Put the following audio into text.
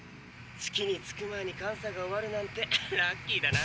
月に着く前に監査が終わるなんてラッキーだな。